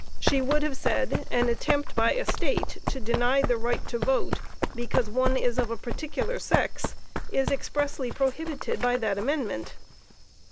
She would have said, an attempt by a State to deny the right to vote because one is of a particular sex, is expressly prohibited by that Amendment.